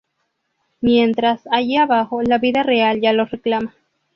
Mientras, allí abajo, la vida real ya los reclama.